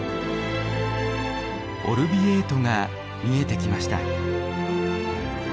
オルヴィエートが見えてきました。